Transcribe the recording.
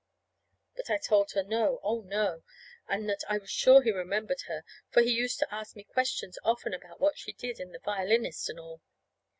But I told her no, oh, no, and that I was sure he remembered her, for he used to ask me questions often about what she did, and the violinist and all.